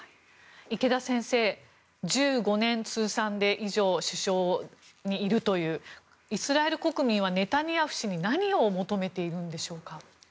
池田先生、１５年以上通算で首相にいるというイスラエル国民はネタニヤフ氏に何を求めているんでしょうか。